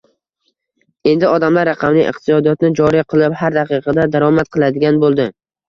Endi odamlar raqamli iqtisodiyotni joriy qilib, har daqiqada daromad qiladigan boʻldi.